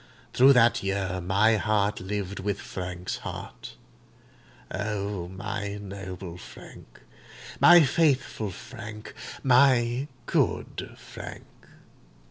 Through that year my heart lived with Frank's heart. O my noble Frank—my faithful Frank—my good Frank!